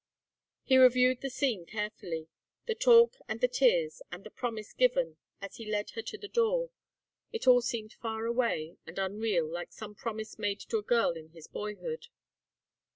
He reviewed the scene carefully, the talk and the tears and the promise given as he led her to the door. It all seemed far away and unreal like some promise made to a girl in his boyhood.